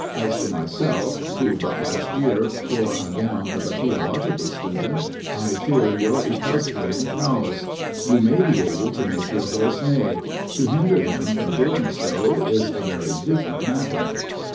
As to myself, who, but last year, wore a gown of a theological student, I fear your equestrian prowess. You may be able to make your horse neigh: to hinder him from doing so, is a very different matter.'"